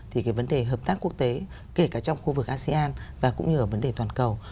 thì cái vấn đề hợp tác quốc tế kể cả trong khu vực asean và cũng như ở vấn đề toàn cầu